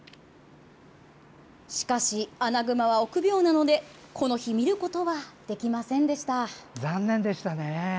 しかし、アナグマは臆病なのでこの日見ることはできませんでした。